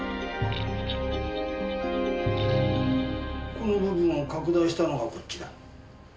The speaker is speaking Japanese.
この部分を拡大したのがこっちだ。